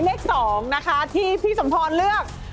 เลข๒นะคะที่พี่สมพรเลือก